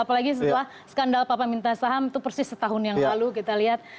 apalagi setelah skandal papa minta saham itu persis setahun yang lalu kita lihat